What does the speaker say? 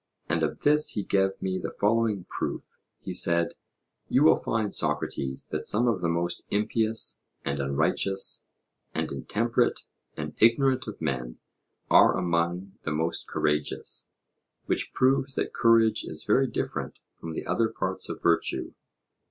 And of this he gave me the following proof. He said: You will find, Socrates, that some of the most impious, and unrighteous, and intemperate, and ignorant of men are among the most courageous; which proves that courage is very different from the other parts of virtue.